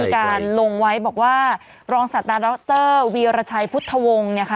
ก็มีการลงไว้บอกว่ารองสตาร์ตเตอร์วีรชัยพุทธวงค์เนี่ยค่ะ